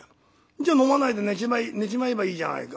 「じゃ飲まないで寝ちまえばいいじゃないか」。